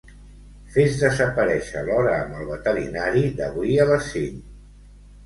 Fes desaparèixer l'hora amb el veterinari d'avui a les cinc.